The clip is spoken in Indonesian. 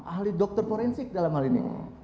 ahli dokter forensik dalam hal ini